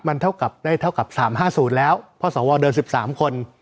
มันเท่ากับได้เท่ากับสามห้าศูนย์แล้วเพราะสอวอเดินสิบสามคน